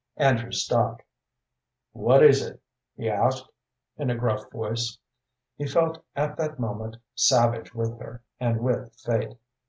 Andrew stopped. "What is it?" he asked, in a gruff voice. He felt at that moment savage with her and with fate.